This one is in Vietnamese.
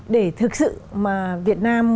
để thực sự mà việt nam